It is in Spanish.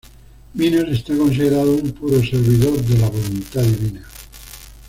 Minos está considerado un puro servidor de la voluntad divina.